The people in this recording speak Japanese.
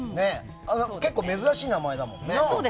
結構珍しい名前だもんね。